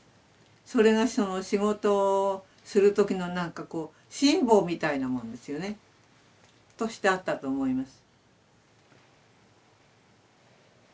それが仕事をする時のなんかこう心棒みたいなもんですよね。としてあったと思います。